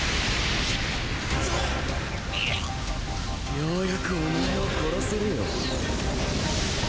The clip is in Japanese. ようやくおまえを殺せるよ。